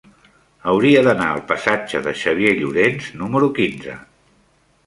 Hauria d'anar al passatge de Xavier Llorens número quinze.